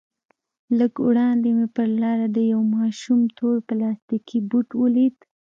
لږ وړاندې مې پر لاره د يوه ماشوم تور پلاستيكي بوټ وليد.